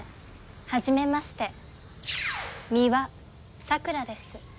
はじめまして美羽さくらです。